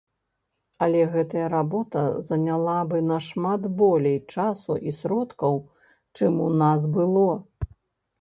Але гэтая работа заняла бы нашмат болей часу і сродкаў, чым у нас было.